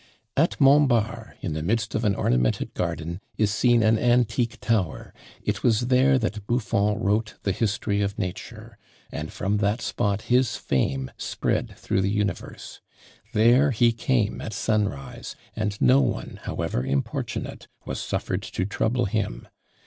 "At Montbard, in the midst of an ornamented garden, is seen an antique tower; it was there that Buffon wrote the History of Nature, and from that spot his fame spread through the universe. There he came at sunrise, and no one, however importunate, was suffered to trouble him.